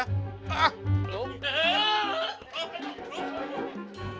nggak mau ngehajar bang